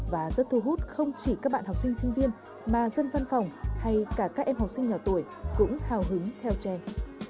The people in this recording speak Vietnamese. và rất thu hút không chỉ các bạn học sinh sinh viên mà dân văn phòng hay cả các em học sinh nhỏ tuổi cũng hào hứng theo trang